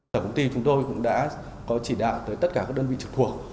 tổng công ty chúng tôi cũng đã có chỉ đạo tới tất cả các đơn vị trực thuộc